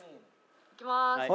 いきまーす。